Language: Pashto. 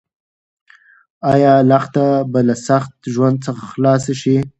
ایا لښته به له سخت ژوند څخه خلاص شي؟